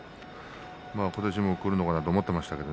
今年も来るのかなと思っていました。